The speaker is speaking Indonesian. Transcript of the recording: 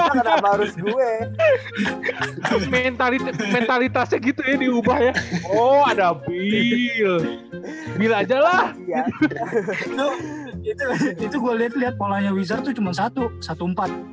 slah baru kawe mentalitaritasnya gitu ini oh ada bila jella itu lihat wilayah brain enam